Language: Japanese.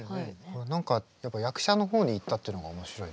何か役者の方にいったっていうのが面白いね。